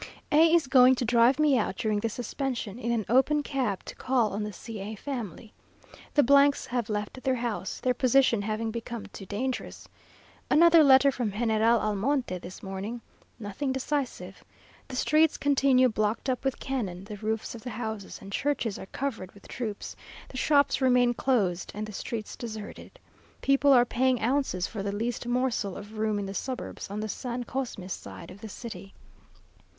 A is going to drive me out during this suspension, in an open cab, to call on the C a family. The s have left their house, their position having become too dangerous. Another letter from General Almonte this morning. Nothing decisive. The streets continue blocked up with cannon, the roofs of the houses, and churches are covered with troops, the shops remain closed, and the streets deserted. People are paying ounces for the least morsel of room in the suburbs, on the San Cosme side of the city.